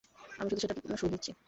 আমি শুধু সেটার শোধ নিচ্ছি।